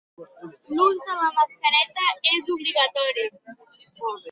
L'ús de la mascareta és obligatori.